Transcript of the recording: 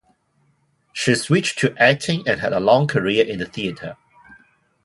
She switched to acting and had a long career in the theatre.